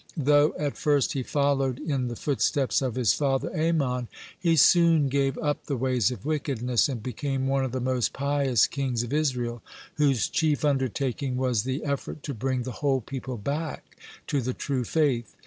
(114) Though at first he followed in the footsteps of his father Amon, he soon gave up the ways of wickedness, and became one of the most pious kings of Israel, whose chief undertaking was the effort to bring the whole people back to the true faith.